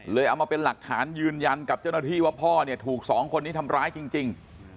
เอามาเป็นหลักฐานยืนยันกับเจ้าหน้าที่ว่าพ่อเนี่ยถูกสองคนนี้ทำร้ายจริง